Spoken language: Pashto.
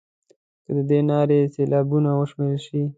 که د دې نارې سېلابونه وشمېرل شي.